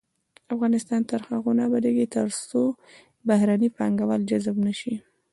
افغانستان تر هغو نه ابادیږي، ترڅو بهرني پانګوال جذب نشي.